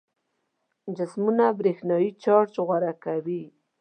جسمونه برېښنايي چارج غوره کوي.